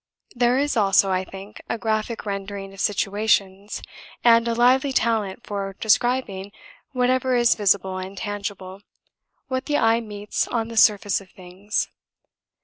There is also, I think, a graphic rendering of situations, and a lively talent for describing whatever is visible and tangible what the eye meets on the surface of things.